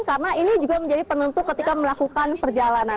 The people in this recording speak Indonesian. karena ini juga menjadi penentu ketika melakukan perjalanan